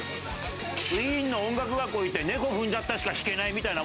「ウィーンの音楽学校行ったのに『ねこふんじゃった』しか弾けないみたいなもんよ」。